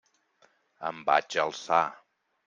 Em vaig alçar.